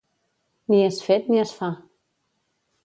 Ni és fet ni es fa.